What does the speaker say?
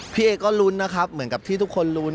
พี่เอก็ลุ้นนะครับเหมือนกับที่ทุกคนลุ้น